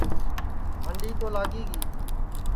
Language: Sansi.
ہانڈی تو لاگی گی